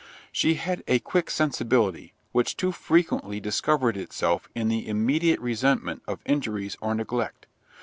She had a quick sensibility, which too frequently discovered itself in the immediate resentment of injuries or neglect.